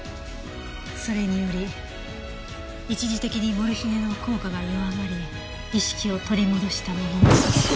それにより一時的にモルヒネの効果が弱まり意識を取り戻したものの。